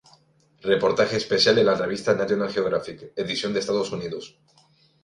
Reportaje especial en la revista "National Geographic", edición de Estados Unidos.